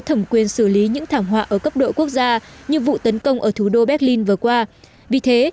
thẩm quyền xử lý những thảm họa ở cấp độ quốc gia như vụ tấn công ở thủ đô berlin vừa qua vì thế